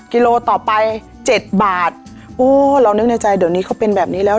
กิโลต่อไปเจ็ดบาทโอ้เรานึกในใจเดี๋ยวนี้เขาเป็นแบบนี้แล้ว